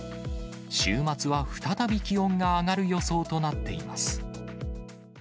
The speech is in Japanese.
週末は再び気温が上がる予想となっています。